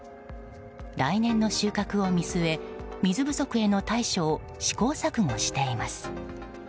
来年の収穫を見据え、水不足への対処を試行錯誤しています。